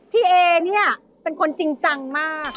พี่เอเนี่ยเป็นคนจริงจังมาก